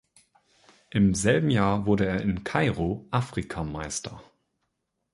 Im selben Jahr wurde er in Kairo Afrikameister.